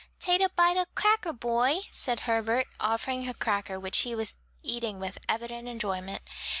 "Tate a bite of cacker, boy," said Herbert, offering a cracker which he was eating with evident enjoyment.